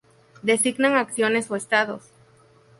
Designan acciones o estados.